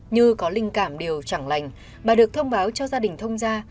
như có linh cảm điều chẳng lành bà được thông báo cho gia đình thông ra